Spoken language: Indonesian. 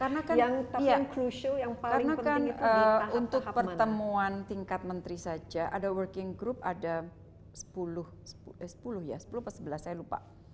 karena kan untuk pertemuan tingkat menteri saja ada working group ada sepuluh sepuluh ya sepuluh atau sebelas saya lupa